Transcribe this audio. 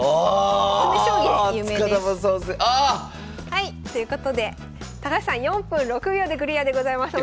はい！ということで高橋さん４分６秒でクリアでございます。